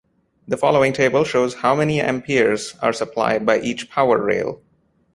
The following table shows how many amperes are supplied by each power rail.